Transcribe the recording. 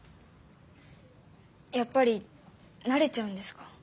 やっぱり慣れちゃうんですか？